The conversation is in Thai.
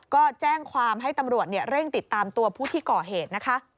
ก็แจ้งความให้ตำรวจเร่งติดตามตัวผู้ที่ก่อเหตุนะคะ